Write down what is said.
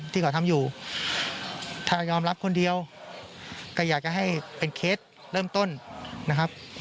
ที่เขาทำอยู่ถ้ายอมรับคนเดียวก็อยากจะให้เป็นเคสเริ่มต้นนะครับ